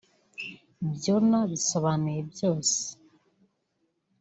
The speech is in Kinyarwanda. "Byonna bisobanuye Byose